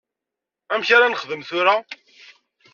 Amek ara nexdem tura?